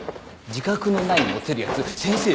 自覚のないモテるやつ先生